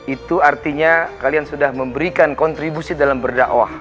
itu artinya kalian sudah memberikan kontribusi dalam berdakwah